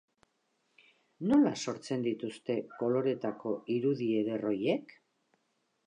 Nola sortzen dituzte koloretako irudi eder horiek?